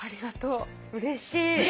うれしい！